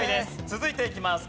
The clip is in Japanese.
続いていきます。